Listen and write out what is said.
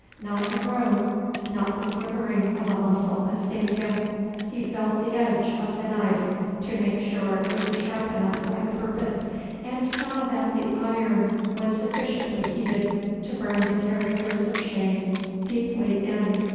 Not a groan not the quivering of a muscle escaped him. He felt the edge of the knife to make sure it was sharp enough for the purpose, and saw that the iron was sufficiently heated to burn the characters of shame deeply in.